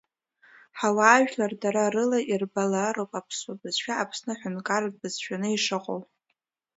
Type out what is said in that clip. Ҳауаажәлар дара рыла ирбалароуп аԥсуа бызшәа Аԥсны ҳәынҭқарратә бызшәаны ишыҟоу.